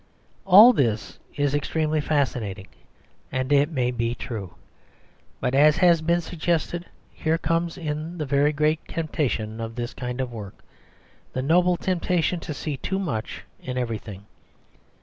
All this is extremely fascinating; and it may be true. But, as has above been suggested, here comes in the great temptation of this kind of work, the noble temptation to see too much in everything.